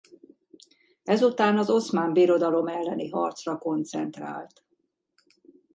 Ezután az Oszmán Birodalom elleni harcra koncentrált.